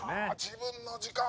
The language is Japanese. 「自分の時間。